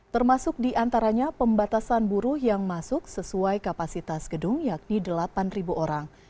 termasuk diantaranya pembatasan buruh yang masuk sesuai kapasitas gedung yakni delapan orang